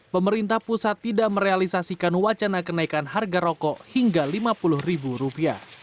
pemerintah pusat tidak merealisasikan wacana kenaikan harga rokok hingga rp lima puluh